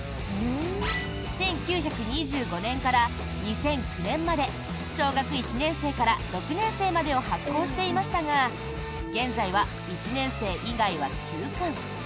１９２５年から２００９年まで「小学一年生」から「六年生」までを発行していましたが現在は「一年生」以外は休刊。